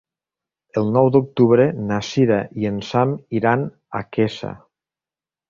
El nou d'octubre na Sira i en Sam iran a Quesa.